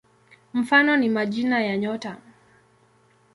Mfano ni majina ya nyota.